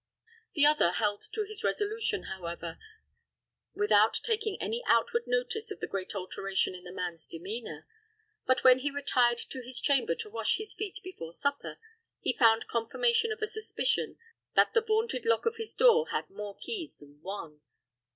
The other held to his resolution, however, with out taking any outward notice of the great alteration in the man's demeanor; but when he retired to his chamber to wash his feet before supper, he found confirmation of a suspicion that the vaunted lock of his door had more keys than one.